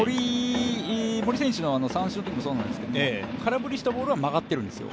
森選手の三振のときもそうなんですけど空振りしたボールは曲がってるんですよ。